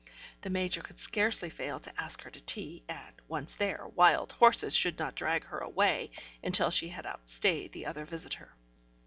The Major could scarcely fail to ask her to tea, and, once there, wild horses should not drag her away until she had outstayed the other visitor.